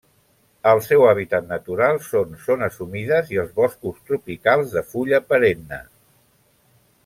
El seu hàbitat natural són zones humides i els boscos tropicals de fulla perenne.